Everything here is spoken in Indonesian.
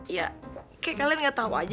ya kayak kalian gak tau aja